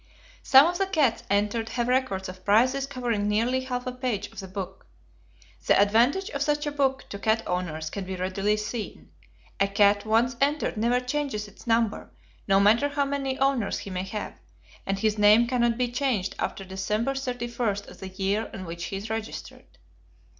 Some of the cats entered have records of prizes covering nearly half a page of the book. The advantage of such a book to cat owners can be readily seen. A cat once entered never changes its number, no matter how many owners he may have, and his name cannot be changed after December 31 of the year in which he is registered.